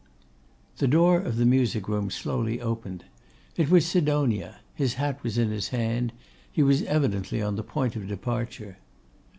The door of the music room slowly opened. It was Sidonia. His hat was in his hand; he was evidently on the point of departure.